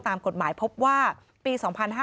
ตามกฎหมายพบว่าปี๒๕๕๙